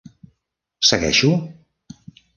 Segueixo?